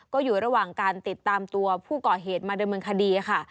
ก็อยู่ระหว่างการติดตามตัวผู้ก่อเหตุมาดำเนินคดีค่ะ